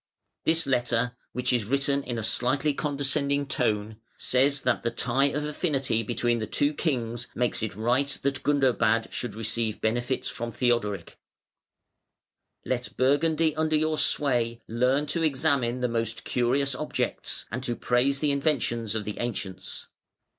This letter, which is written in a slightly condescending tone, says that the tie of affinity between the two kings makes it right that Gundobad should receive benefits from Theodoric: "Let Burgundy under your sway learn to examine the most curious objects, and to praise the inventions of the ancients.